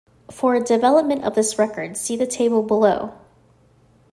For a development of this record, see the table below.